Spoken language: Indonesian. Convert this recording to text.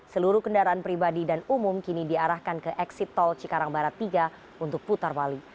seluruh kendaraan pribadi dan umum kini diarahkan ke eksit tol cikarang barat tiga untuk putar balik